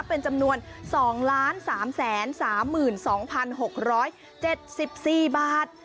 เป็นจำนวน๒๓๓๒๖๗๔บาท